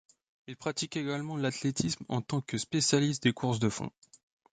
Il pratique également l'athlétisme en tant que spécialiste des courses de fond.